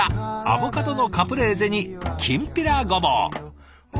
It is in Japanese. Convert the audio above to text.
アボカドのカプレーゼにきんぴらごぼう。